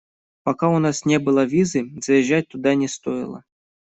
Пока у нас не было визы, заезжать туда не стоило.